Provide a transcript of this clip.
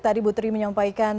tadi butri menyampaikan